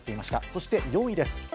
そして４位です。